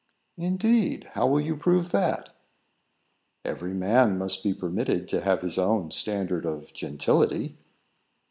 "Indeed! How will you prove that?" "Every man must be permitted to have his own standard of gentility."